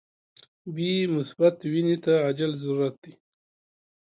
بی مثبت وینی ته عاجل ضرورت دي.